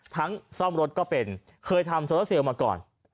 ซ่อมรถก็เป็นเคยทำโซลาเซลมาก่อน